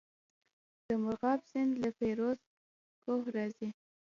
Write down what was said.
د مرغاب سیند له فیروز کوه راځي